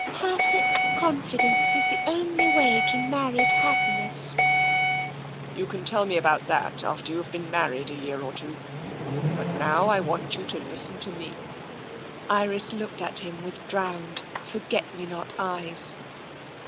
Perfect confidence is the only way to married happi ness." " You can tell me about that after you've been mar ried a year or two. But now I want you to listen to me. Iris looked at him with drowned, forget me not eyes.